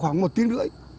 khoảng một tiếng rưỡi